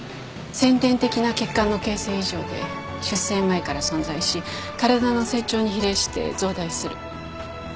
先天的な血管の形成異常で出生前から存在し体の成長に比例して増大する。